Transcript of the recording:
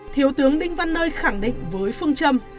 thiếu tướng đinh văn nơi khẳng định với phương châm